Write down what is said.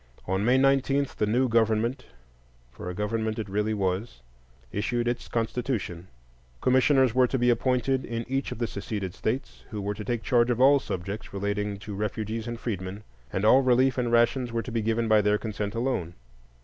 On May 19 the new government—for a government it really was—issued its constitution; commissioners were to be appointed in each of the seceded states, who were to take charge of "all subjects relating to refugees and freedmen," and all relief and rations were to be given by their consent alone.